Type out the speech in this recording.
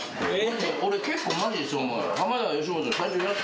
俺結構マジでそう思うよ。